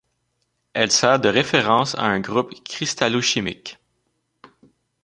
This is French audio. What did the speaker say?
Elle sert de référence à un groupe cristallochimique.